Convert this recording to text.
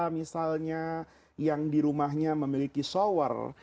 misalnya yang di rumahnya memiliki shower